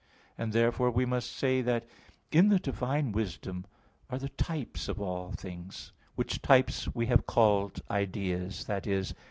And therefore we must say that in the divine wisdom are the types of all things, which types we have called ideas i.e.